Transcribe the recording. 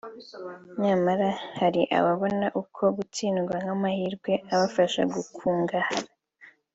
nyamara hari ababona uko gutsindwa nk’amahirwe abafasha gukungahara